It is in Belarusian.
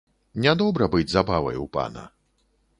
Нядобра быць забавай у пана.